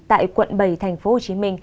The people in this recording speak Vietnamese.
tại quận bảy tp hcm